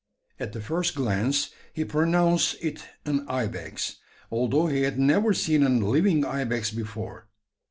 At the first glance he pronounced it an ibex; although he had never seen a living ibex before.